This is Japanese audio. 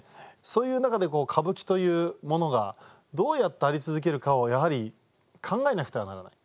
そういう中で歌舞伎というものがどうやってあり続けるかをやはり考えなくてはならない。